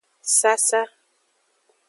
Sasa.